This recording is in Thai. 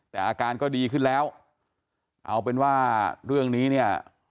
แต่อาการก็ดีขึ้นแล้วเอาเป็นว่าเรื่องนี้เนี่ย